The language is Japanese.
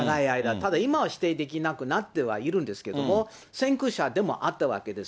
ただ今は否定できなくなってはいるんですけれども、先駆者でもあったわけです。